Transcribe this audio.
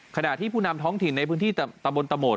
ขณะที่ผู้นำท้องถิ่นในพื้นที่ตะบนตะโหมด